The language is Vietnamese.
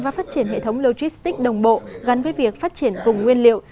và phát triển hệ thống logistic đồng bộ gắn với việc phát triển cùng nguyên liệu